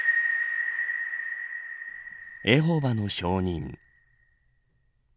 エホバの証人。